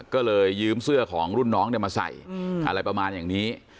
ก็เลยยืมเสื้อของรุ่นน้องมาใส่อะไรประมาณอย่างนี้